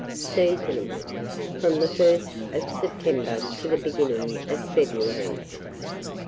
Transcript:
Seasonable from the 1st of September to the beginning of February.